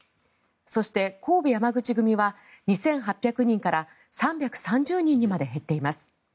そして、神戸山口組は２８００人から３３０人にまで減っています。